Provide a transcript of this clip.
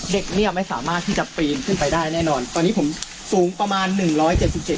เด็กเนี่ยไม่สามารถที่จะปีนขึ้นไปได้แน่นอนตอนนี้ผมสูงประมาณหนึ่งร้อยเจ็ดสิบเจ็ด